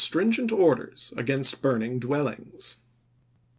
stringent orders against burning dwellings.